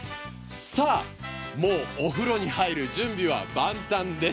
さぁ、もう、お風呂に入る準備は万端です。